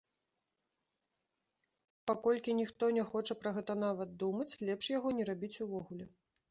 А паколькі ніхто не хоча пра гэта нават думаць, лепш яго не рабіць увогуле.